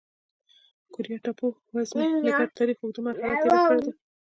کوریا ټاپو وزمې د ګډ تاریخ اوږده مرحله تېره کړې ده.